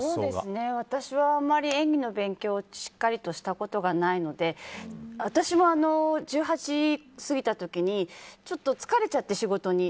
私はあんまり演技の勉強をしっかりとしたことがないので私も１８過ぎた時にちょっと疲れちゃって、仕事に。